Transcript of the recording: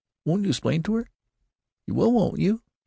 Won't you 'splain to her? You will, won't you?"